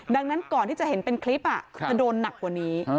ดังนั้นก่อนที่จะเห็นเป็นคลิปจะโดนหนักกว่านี้